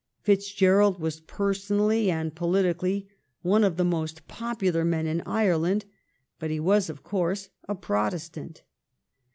Fitzgerald was personally and politically one of the most popular men in Ireland, but he was, of course, a Protestant.